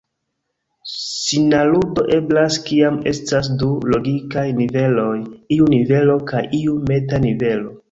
Sinaludo eblas kiam estas du logikaj niveloj, iu nivelo kaj iu meta-nivelo.